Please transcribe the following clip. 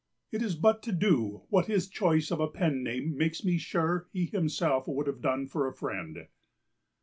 It is but to do what his choice of a pen name makes me sure he himself would have done for a friend.